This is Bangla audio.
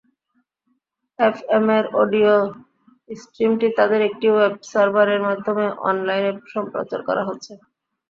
এফএমের অডিও স্ট্রিমটি তাদের একটি ওয়েব সার্ভারের মাধ্যমে অনলাইনে সম্প্রচার করা হচ্ছে।